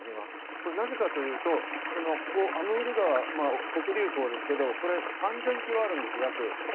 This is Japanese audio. なぜかというとアムール川黒竜江ですけど３００ｋｍあるんです。